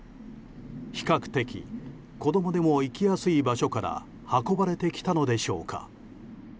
比較的子供でも行きやすい場所から運ばれてきたのでしょうか。